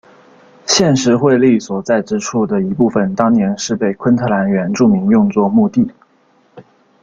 现时惠利所在之处的一部分当年是被昆特兰原住民用作墓地。